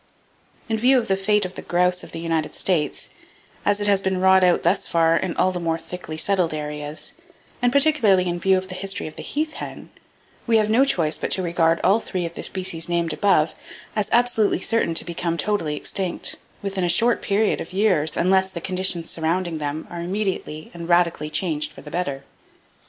—In view of the fate of the grouse of the United States, as it has been wrought out thus far in all the more thickly settled areas, and particularly in view of the history of the heath hen, we have no choice but to regard all three of the species named above as absolutely certain to become totally extinct, within a short period of years, unless the conditions surrounding them are immediately and radically changed for the better.